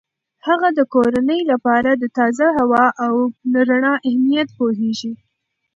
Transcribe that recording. هغه د کورنۍ لپاره د تازه هوا او رڼا اهمیت پوهیږي.